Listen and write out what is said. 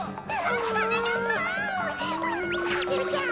アゲルちゃん